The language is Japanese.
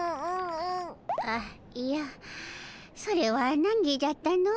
あいやそれはなんぎじゃったの。